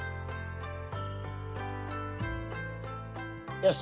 よし！